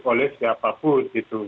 oleh siapapun gitu